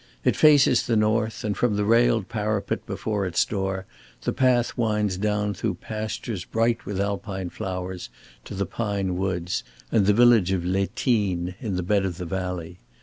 It faces the north and from the railed parapet before its door the path winds down through pastures bright with Alpine flowers to the pine woods, and the village of Les Tines in the bed of the valley.